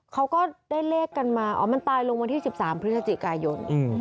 เขาก็ได้เลขกันมาอ๋อมันตายลงวันที่๑๓พฤศจิกายน